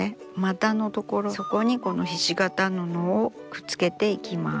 そこにこのひし形の布をくっつけていきます。